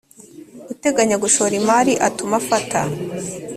uteganya gushora imari atuma afata